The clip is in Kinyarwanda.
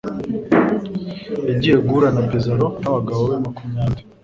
Yagiye guhura na Pizzaro nabagabo be makumyabiri.